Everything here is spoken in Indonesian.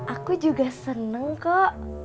aku juga seneng kok